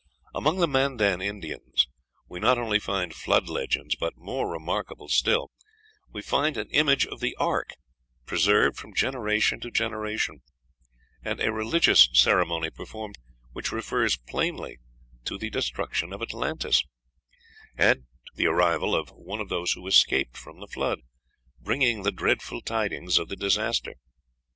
Among the Mandan Indians we not only find flood legends, but, more remarkable still, we find an image of the ark preserved from generation to generation, and a religious ceremony performed which refers plainly to the destruction of Atlantis, and to the arrival of one of those who escaped from the Flood, bringing the dreadful tidings of the disaster.